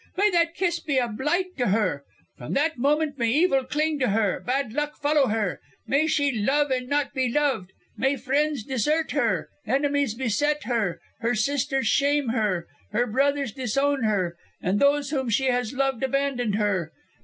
May that kiss be a blight to her. From that moment may evil cling to her, bad luck follow her; may she love and not be loved; may friends desert her, enemies beset her, her sisters shame her, her brothers disown her, and those whom she has loved abandon her.